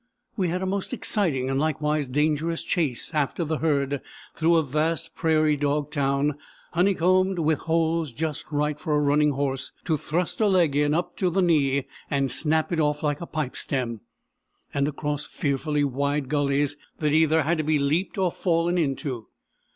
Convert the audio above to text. We had a most exciting and likewise dangerous chase after the herd through a vast prairie dog town, honey combed with holes just right for a running horse to thrust a leg in up to the knee and snap it off like a pipe stem, and across fearfully wide gullies that either had to be leaped or fallen into.